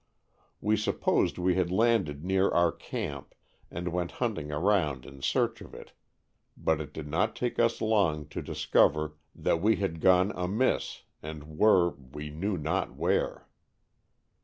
We supposed we had landed near our camp and went hunting around in search of it, but it did not take us long to dis cover that we had gone amiss and were we knew not where.